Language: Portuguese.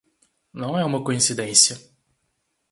Não é uma coincidência